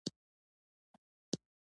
نړۍ سره اړیکه ونیسئ